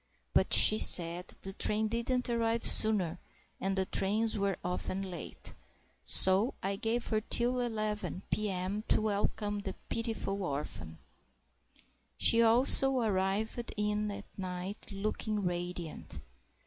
But she said the train didn't arrive sooner, and the trains were often late. So I gave her till 11.0 p.m. to welcome the pitiful orphan. She also arrived in at night looking radiant.